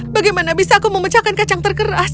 bagaimana bisa aku memecahkan kacang terkeras